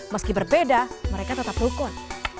meski berbeda mereka tetap rukun